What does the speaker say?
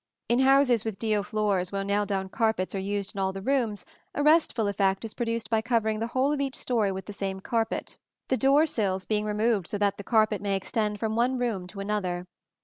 In houses with deal floors, where nailed down carpets are used in all the rooms, a restful effect is produced by covering the whole of each story with the same carpet, the door sills being removed so that the carpet may extend from one room to another.